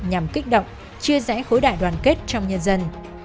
nhằm kích động chia rẽ khối đại đoàn kết trong nhân dân